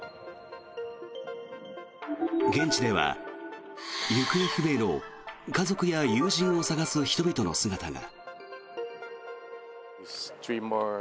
現地では行方不明の家族や友人を捜す人々の姿が。